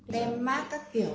tèm mát các kiểu ấy à